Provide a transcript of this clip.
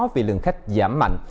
vì lượng khách giảm mạnh